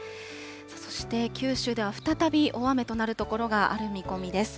そして九州では再び大雨となる所がある見込みです。